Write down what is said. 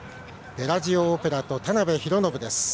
ベラジオオペラと田辺裕信です。